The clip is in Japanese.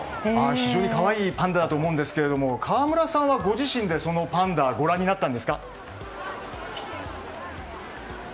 非常に可愛いパンダだと思うんですけど河村さんはご自身でそのパンダをご覧になったんですか？はい。